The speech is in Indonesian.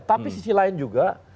tapi sisi lain juga